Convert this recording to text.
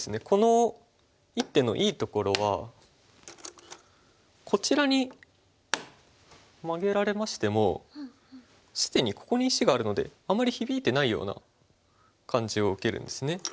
この一手のいいところはこちらにマゲられましても既にここに石があるのであんまり響いてないような感じを受けるんですね。